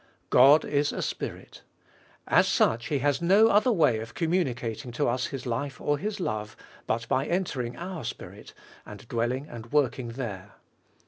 God is a Spirit. As such He has no other way of communicating to us His life or His love, but by entering our spirit and dwelling and working there.